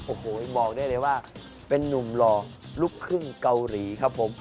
โอ้โหบอกได้เลยว่าเป็นนุ่มหล่อลูกครึ่งเกาหลีครับผม